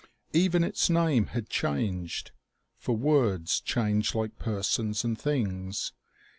Even its name had changed ; for words change like persons and things.